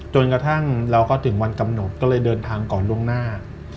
จนกระทั่งเราก็ถึงวันกำหนดก็เลยเดินทางก่อนล่วงหน้า